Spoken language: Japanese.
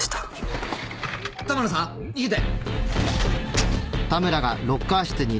田村さん逃げて。